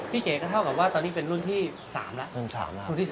พี่เกก็เท่ากับว่าตอนนี้เป็นรุ่นที่๓ละ